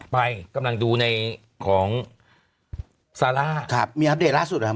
ไปกำลังดูในของซาร่าครับมีอัปเดตล่าสุดนะครับ